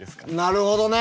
なるほどね！